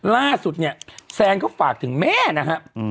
ล่าสุดเนี่ยแซนก็ฝากถึงแม่นะฮะ